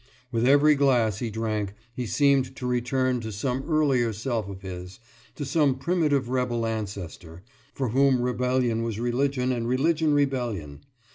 With every glass he drank he seemed to return to some earlier self of his, to some primitive rebel ancestor, for whom rebellion was religion and religion rebellion.